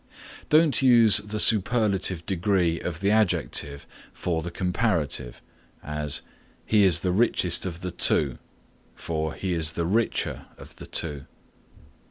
(6) Don't use the superlative degree of the adjective for the comparative; as "He is the richest of the two" for "He is the richer of the two."